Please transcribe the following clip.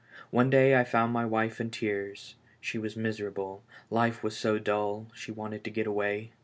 One day I found my wife in tears. Slie was miserable, life was so dull, she wanted to get away.